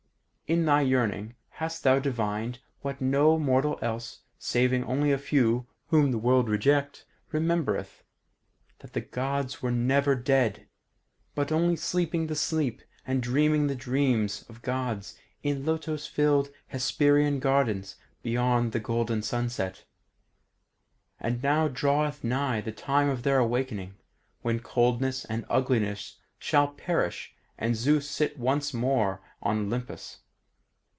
In thy yearning hast thou divined what no mortal else, saving only a few whom the world reject, remembereth; that the Gods were never dead, but only sleeping the sleep and dreaming the dreams of Gods in lotos filled Hesperian gardens beyond the golden sunset. And now draweth nigh the time of their awaking, when coldness and ugliness shall perish, and Zeus sit once more on Olympus.